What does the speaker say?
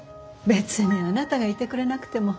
別にあなたがいてくれなくても。